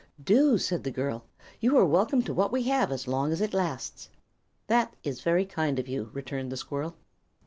"Do," said the girl. "You are welcome to what we have, as long as it lasts." "That is very kind of you," returned the squirrel.